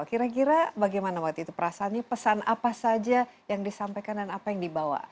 kira kira bagaimana waktu itu perasaannya pesan apa saja yang disampaikan dan apa yang dibawa